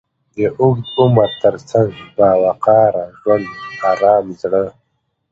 د اوږد عمر تر څنګ، با وقاره ژوند، ارام زړه،